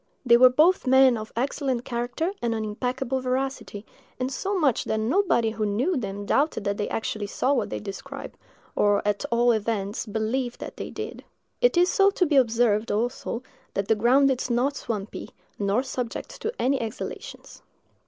They were both men of excellent character and unimpeachable veracity, insomuch that nobody who knew them doubted that they actually saw what they described, or, at all events, believed that they did. It is to be observed, also, that the ground is not swampy, nor subject to any exhalations.